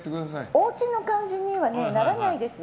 おうちの感じにはならないですね。